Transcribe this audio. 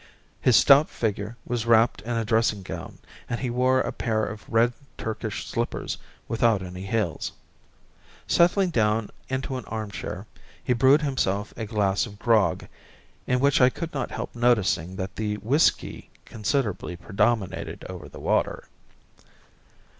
His stout figure was wrapped in a dressing gown, and he wore a pair of red Turkish slippers without any heels. Settling down into an arm chair, he brewed himself a glass of grog, in which I could not help noticing that the whisky considerably predominated over the water.